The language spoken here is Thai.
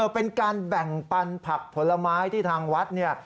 เป็นการแบ่งปันผักผลไม้ที่ทางวัดเนี่ย